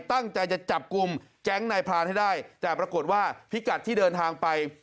ตั้งใจจะจับกลุ่มแก๊งนายพรานให้ได้แต่ปรากฏว่าพิกัดที่เดินทางไป